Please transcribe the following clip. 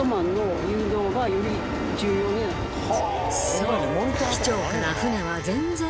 そう！